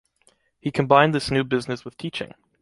He combined this new business with teaching.